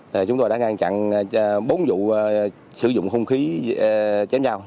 bắt giữ bốn vụ sử dụng không khí chém nhau